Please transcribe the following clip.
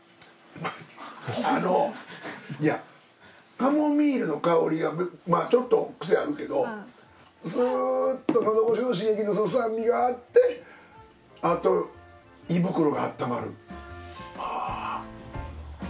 カモミールの香りがちょっとクセあるけどスーッとのど越しの刺激とその酸味があってあと胃袋があったまる。